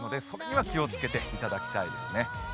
気をつけていただきたいですね。